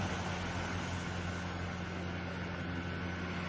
ก็ยังไม่ได้ถูกชิด